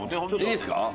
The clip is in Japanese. いいですか？